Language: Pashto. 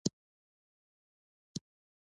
افغانستان د ژبې له امله شهرت لري.